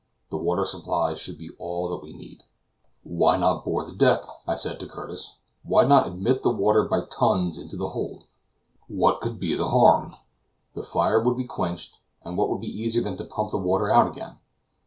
The water supply should be all we need. "Why not bore the deck?" I said to Curtis. "Why not admit the water by tons into the hold? What could be the harm? The fire would be quenched; and what would be easier than to pump the water out again?"